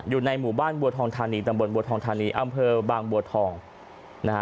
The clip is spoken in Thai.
อยู่ในหมู่บ้านบัวทองธานีตำบลบัวทองธานีอำเภอบางบัวทองนะฮะ